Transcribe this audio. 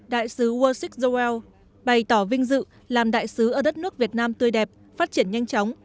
đại sứ ursusik zorwell bày tỏ vinh dự làm đại sứ ở đất nước việt nam tươi đẹp phát triển nhanh chóng